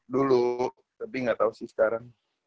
dulu tapi gak tau sih sekarang